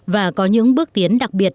và có những bước tiến đặc biệt